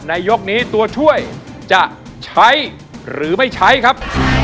ยกนี้ตัวช่วยจะใช้หรือไม่ใช้ครับ